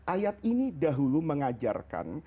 ayat ini dahulu mengajarkan